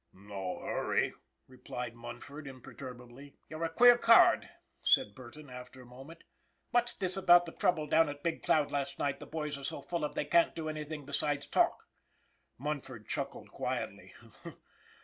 " No hurry," replied Munford, imperturbably. " You're a queer card," said Burton, after a mo ment. " What's this about the trouble down at Big Cloud last night the boys are so full of they can't do anything besides talk? " Munford chuckled quietly.